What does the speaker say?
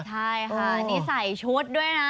ใช่ค่ะนี่ใส่ชุดด้วยนะ